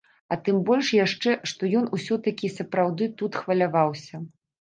А тым больш яшчэ, што ён усё-такі і сапраўды тут хваляваўся.